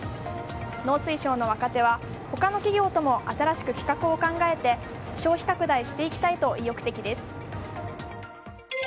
農水省の若手は他の企業とも新しく企画を考えて消費拡大していきたいと意欲的です。